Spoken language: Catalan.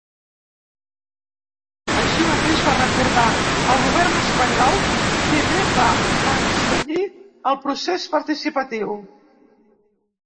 Així mateix va recordar: El govern espanyol primer va menystenir el procés participatiu.